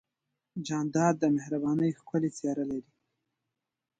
جانداد د مهربانۍ ښکلی څېرہ لري.